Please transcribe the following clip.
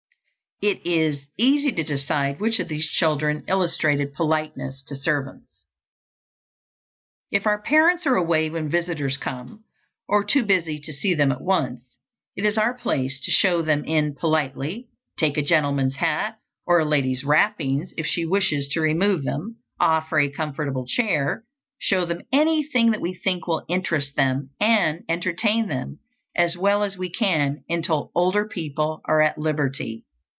It is easy to decide which of these children illustrated politeness to servants. If our parents are away when visitors come, or too busy to see them at once, it is our place to show them in politely, take a gentleman's hat, or a lady's wrappings if she wishes to remove them, offer a comfortable chair, show them anything that we think will interest them, and entertain them as well as we can until older people are at liberty.